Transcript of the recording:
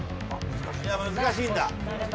難しいんだ。